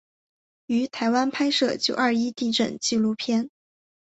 于台湾拍摄九二一地震纪录片。